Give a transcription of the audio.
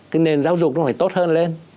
cái nền giáo dục nó phải tốt hơn lên